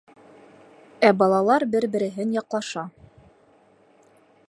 Ә балалар бер-береһен яҡлаша.